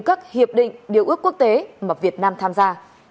các hiệp định điều ước quốc tế mà việt nam tham gia